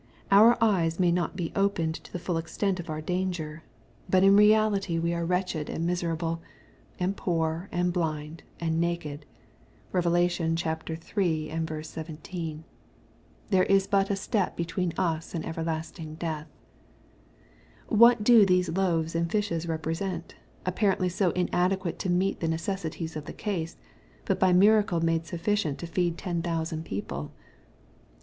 Our eyes may not be opened to the full extent of our danger. But in reality we are wretched, MATTHBW, CHAP. XIV. 165 and miserable, and poor, and blind, and naked. (Bov. iii v 17.) There is but a step between us and everlasting deach. '^ What do these loaves and fishes represent, apparently so inadequate to meet the necessities of the case, but by miracle made sufficient to feed ten thousand people